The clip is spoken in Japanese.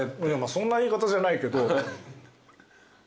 いやそんな言い方じゃないけど。